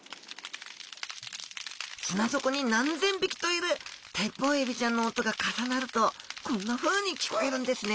砂底に何千匹といるテッポウエビちゃんの音が重なるとこんなふうに聞こえるんですね・